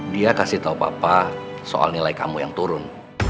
dia kasih tahu papa soal nilai kamu yang turun